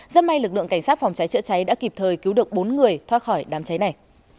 rất may lực lượng cảnh sát phòng cháy chữa cháy đã kịp thời cứu được bốn người thoát khỏi đám cháy này